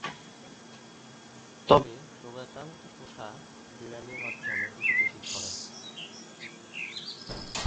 তবে রোগাক্রান্ত পোষা বিড়ালের মাধ্যমে এটি বেশি ছড়ায়।